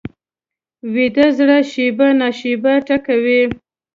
ویده زړه شېبه نا شېبه ټکوي